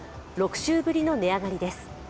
６週ぶりの値上がりです。